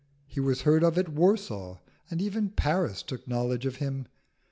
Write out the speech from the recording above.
He was heard of at Warsaw, and even Paris took knowledge of him.